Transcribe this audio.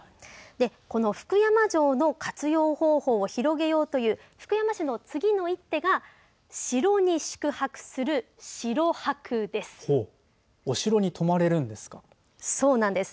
で、この福山城の活用方法を広げようという福山市の次の一手が城に宿泊する城泊です。